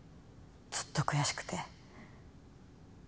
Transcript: ずっと悔しくて。